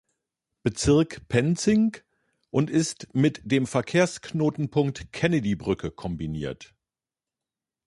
Bezirk, Penzing, und ist mit dem Verkehrsknotenpunkt Kennedybrücke kombiniert.